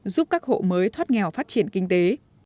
giúp các hộ mới thoát nghèo phát triển kinh tế